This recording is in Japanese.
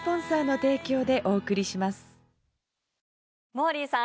モーリーさん